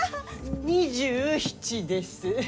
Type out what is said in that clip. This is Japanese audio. ２７です。